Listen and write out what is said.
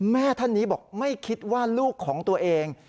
แม่ท่านนี้บอกไม่คิดว่าลูกของตัวเอง